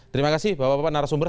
terima kasih bapak bapak narasumber